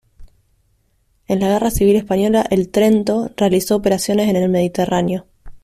En la Guerra Civil Española el "Trento" realizó operaciones en el Mediterráneo.